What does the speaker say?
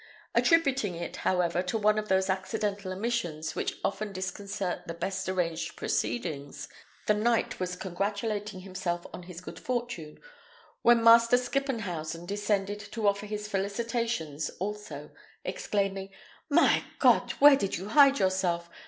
Attributing it, however, to one of those accidental omissions which often disconcert the best arranged proceedings, the knight was congratulating himself on his good fortune, when Master Skippenhausen descended to offer his felicitations also, exclaiming, "My Cot! where did you hide yourself?